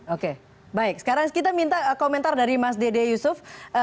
oke baik sekarang kita minta komentar dari mas dede yusuf